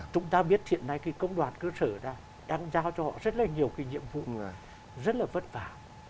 chúng ta biết hiện nay cái công đoàn cơ sở đang giao cho họ rất là nhiều cái nhiệm vụ rất là vất vả